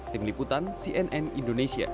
tim liputan cnn indonesia